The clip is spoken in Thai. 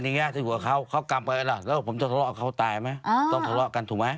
แน่นี้มันเรียงหัวไอ้สามสิบพาน